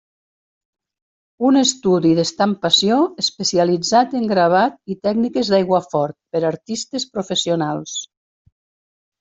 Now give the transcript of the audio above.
Un estudi d'estampació, especialitzat en gravat i tècniques d'aiguafort, per a artistes professionals.